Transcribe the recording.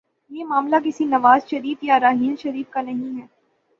یہ معاملہ کسی نواز شریف یا راحیل شریف کا نہیں ہے۔